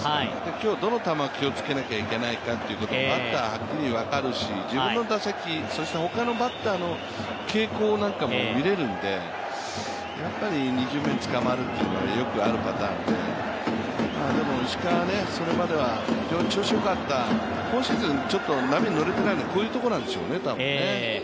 今日、どの球を気をつけなきゃいけないのかっていうことを、バッターははっきり分かるし、自分の打席、そしてほかのバッターの傾向なんかも見れるんで、やっぱり２巡目に捕まるというのはよくあるパターンででも石川はそれまでは非常に調子よかった、今シーズン、ちょっと波に乗れていないのはこういうところなんでしょうね。